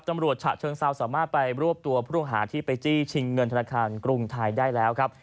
ฉะเชิงเซาสามารถไปรวบตัวผู้ต้องหาที่ไปจี้ชิงเงินธนาคารกรุงไทยได้แล้วครับ